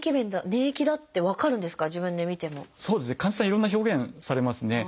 いろんな表現されますね。